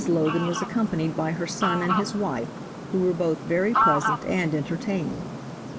Logan was accompanied by her son and his wife, who were both very pleasant and entertaining.